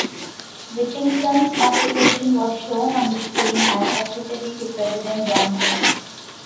Whittington's occupation was shown on the screen as Secretary to President Johnson.